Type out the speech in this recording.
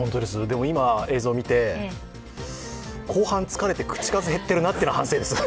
今、映像見て、後半疲れて口数減ってるなというのは反省です。